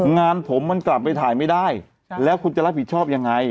งานผมมันกลับไปถ่ายไม่ได้แล้วคุณจะรับผิดชอบยังไง